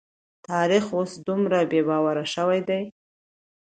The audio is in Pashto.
تاريخ اوس دومره بې باوره شوی دی.